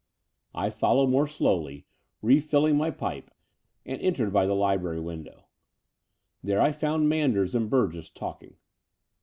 I followed more slowly, refilling my pipe, and entered by the Ubrary window. There I fotmd Manders and Burgess talking.